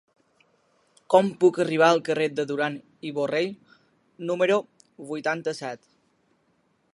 Com puc arribar al carrer de Duran i Borrell número vuitanta-set?